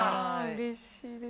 うれしいです。